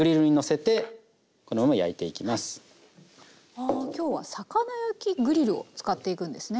あ今日は魚焼きグリルを使っていくんですね。